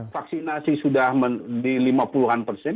vaksinasi sudah di lima puluhan persen